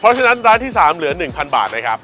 เพราะฉะนั้นร้านที่๓เหลือ๑๐๐บาทนะครับ